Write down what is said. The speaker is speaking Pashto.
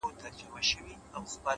• نن دي جهاني غزل ته نوی رنګ ورکړی دی,